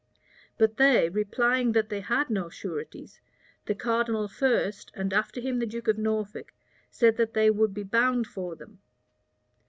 But they, replying that they had no sureties, the cardinal first, and after him the duke of Norfolk, said that they would be bound for them.